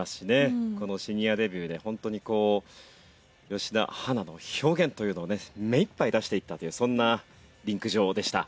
このシニアデビューで本当に吉田陽菜の表現というのをね目いっぱい出していったというそんなリンク上でした。